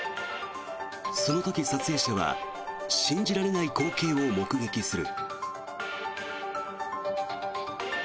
その時、撮影者は信じられない光景を目撃する。